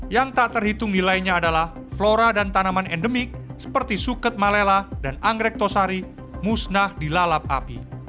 yang tak terhitung nilainya adalah flora dan tanaman endemik seperti suket malela dan anggrek tosari musnah dilalap api